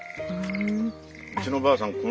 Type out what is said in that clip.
うちのばあさん